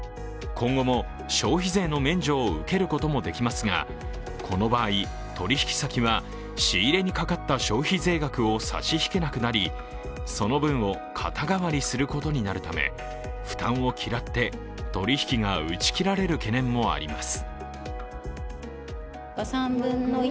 今後も消費税の免除を受けることもできますが、この場合取引先は仕入れにかかった消費税額を差し引けなくなりその分を肩代わりすることになるため負担を嫌って取り引きが打ち切られる懸念もあります。